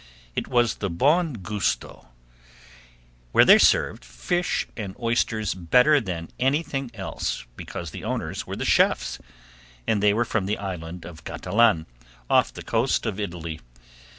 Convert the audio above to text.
It was the Buon Gusto, where they served fish and oysters better than anything else because the owners were the chefs, and they were from the island of Catalan, off the coast of Italy.